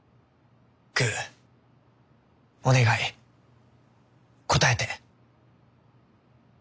グーお願い答えて。